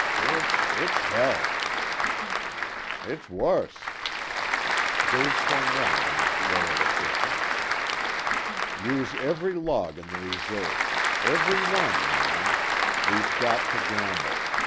It's it's hell!" "It's wuss!" Dave swung round on his loyal assistant. "Use every log in the reserve. Every one, mind. We've got to gamble.